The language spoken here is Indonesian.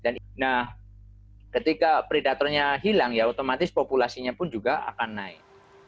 nah ketika predatornya hilang ya otomatis populasinya pun juga akan naik